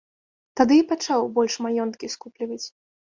Тады і пачаў больш маёнткі скупліваць.